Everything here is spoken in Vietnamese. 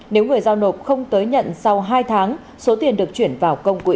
nếu người giao nộp không tới nhận sau hai tháng số tiền được chuyển vào công quỹ